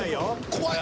怖い。